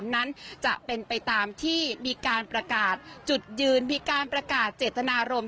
นั้นจะเป็นไปตามที่มีการประกาศจุดยืนมีการประกาศเจตนารมณ์